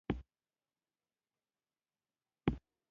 د ونډالیانو د یرغل په پایله کې ووژل شو.